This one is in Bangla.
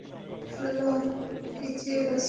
হ্যাঁলো, কিজি বাসু।